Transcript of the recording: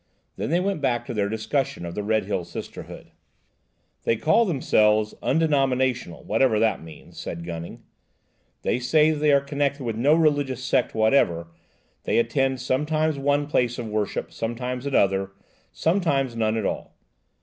Then they went back to their discussion of the Redhill Sisterhood. "They call themselves 'undenominational,' whatever that means," said Gunning "they say they are connected with no religious sect whatever, they attend sometimes one place of worship, sometimes another, sometimes none at all.